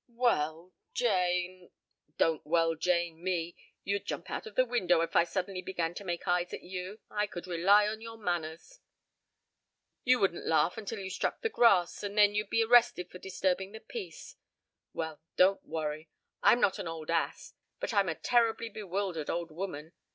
"Well Jane " "Don't 'well Jane' me! You'd jump out of the window if I suddenly began to make eyes at you. I could rely on your manners. You wouldn't laugh until you struck the grass and then you'd be arrested for disturbing the peace. Well don't worry. I'm not an old ass. But I'm a terribly bewildered old woman.